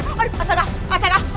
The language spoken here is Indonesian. aduh asah gak asah gak